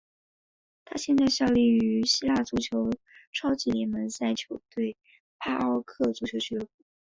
他现在效力于希腊足球超级联赛球队帕奥克足球俱乐部。